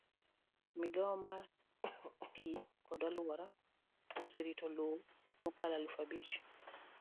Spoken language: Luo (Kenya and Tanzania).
migawo mar pi kod alwora oserito lowo mokalo aluf abich.